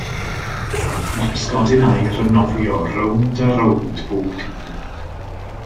Mae'r pysgodyn aur yn nofio rownd a rownd bob dydd.